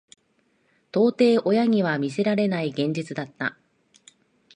到底親には見せられない現実だった。